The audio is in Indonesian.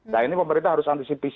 nah ini pemerintah harus antisipasi